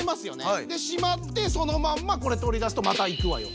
でしまってそのまんまこれ取り出すといくわよ。